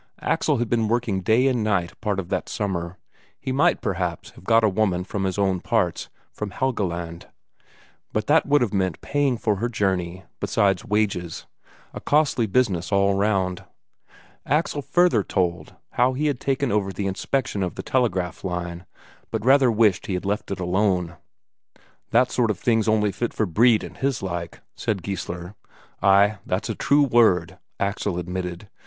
Axel had been working day and night part of that summer. He might, perhaps, have got a woman from his own parts, from Helgeland, but that would have meant paying for her journey, besides wages. A costly business all round. Axel further told how he had taken over the inspection of the telegraph line, but rather wished he had left it alone. "That sort of thing's only fit for Brede and his like," said Geissler. "Ay, that's a true word," Axel admitted.